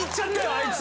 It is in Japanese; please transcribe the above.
あいつ。